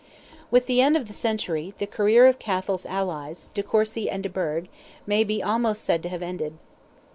With the end of the century, the career of Cathal's allies, de Courcy and de Burgh, may be almost said to have ended.